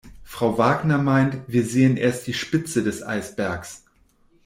Frau Wagner meint, wir sehen erst die Spitze des Eisbergs.